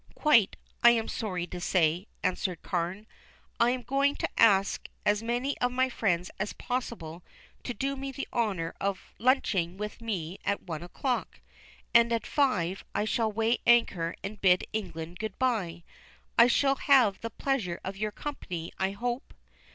"Quite, I am sorry to say," answered Carne. "I am going to ask as many of my friends as possible to do me the honor of lunching with me at one o'clock, and at five I shall weigh anchor and bid England good bye. I shall have the pleasure of your company, I hope."